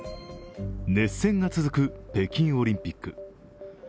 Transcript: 熱戦が続く北京オリンピック。